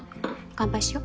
乾杯しよ？